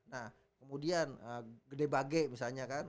nah kemudian gede bage misalnya kan